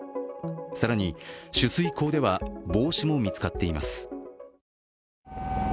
更に取水口では、帽子も見つかっています。